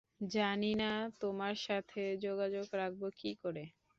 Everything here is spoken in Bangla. জানি না তোমার সাথে যোগাযোগ রাখব কী করে।